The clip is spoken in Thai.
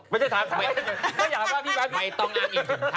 ไม่ต้องอ่านอีกถึงทัน